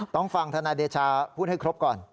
ต้องฟังธนายเดชาพูดให้ครบก่อน